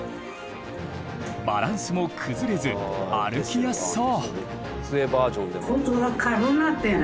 バランスも崩れず歩きやすそう！